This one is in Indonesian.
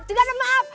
jangan ada maaf